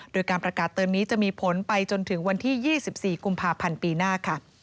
โดยการประกาศเติมนี้จะมีผลไปจนถึงวันที่๒๔กุมภาพันธ์ปีหน้า